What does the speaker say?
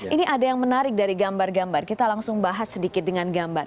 ini ada yang menarik dari gambar gambar kita langsung bahas sedikit dengan gambar